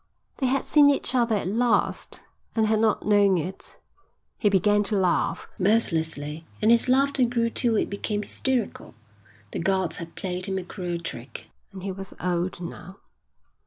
They had seen each other at last and had not known it. He began to laugh, mirthlessly, and his laughter grew till it became hysterical. The Gods had played him a cruel trick. And he was old now.